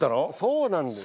そうなんです。